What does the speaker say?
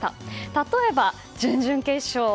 例えば、準々決勝。